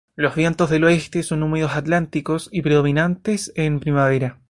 Los vientos del oeste son húmedos atlánticos y predominantes en primavera.